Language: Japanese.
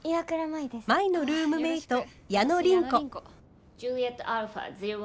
舞のルームメイト矢野倫子。